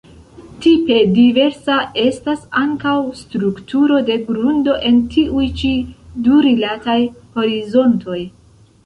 Tipe diversa estas ankaŭ strukturo de grundo en tiuj ĉi du rilataj horizontoj.